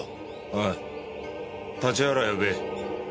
おい立原を呼べ。